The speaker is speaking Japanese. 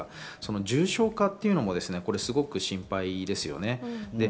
重症化というのもすごく心配ですよね。